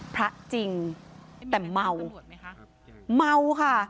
พระจริงแต่เมาเมาค่ะ